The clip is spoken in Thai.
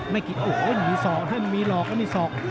ไม่กี่โอ้โหมีสอกนั่นมีหลอกแล้วมีสอก